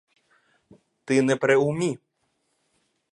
Ти не при умі!